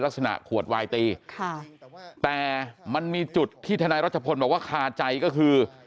ลักษณะขวดวายตีค่ะแต่มันมีจุดที่ทนายรัชพลบอกว่าคาใจก็คือ